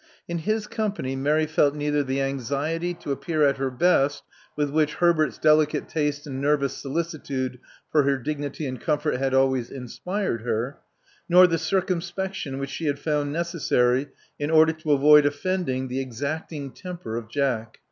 In his company Mary felt neither the anxiety to appear at her best widi which Herbert's delicate taste and nervous solicitude for her dignity and comfort had always inspired her, nor the circumspection which she had found necessary in order to avoid offending the exacting temper of Jack.